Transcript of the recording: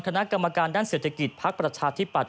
คณะกรรมการด้านเศรษฐกิจภักดิ์ประชาธิปัตย